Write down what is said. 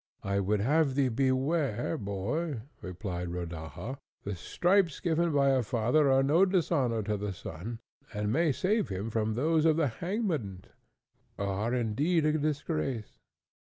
"I would have thee beware, boy," replied Rodaja; "the stripes given by a father are no dishonour to the son, and may save him from those of the hangman, which are indeed a disgrace."